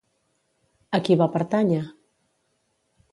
A qui va pertànyer?